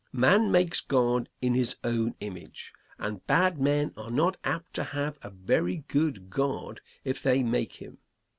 Man makes God in his own image, and bad men are not apt to have a very good God if they make him.